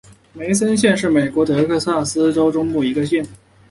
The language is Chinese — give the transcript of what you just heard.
梅森县是美国德克萨斯州中部的一个县。